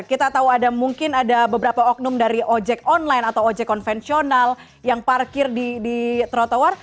kita tahu ada mungkin ada beberapa oknum dari ojek online atau ojek konvensional yang parkir di trotoar